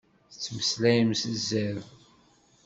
Tettmeslayem s zzerb.